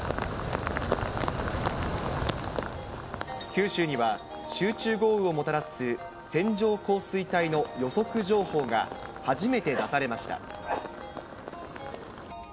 九州には、集中豪雨をもたらす線状降水帯の予測情報が初めて出されました。